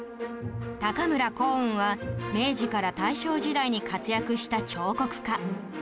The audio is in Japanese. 高村光雲は明治から大正時代に活躍した彫刻家